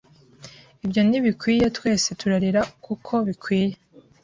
“Ibyo ntibikwiye!” twese turarira kuko bikwiye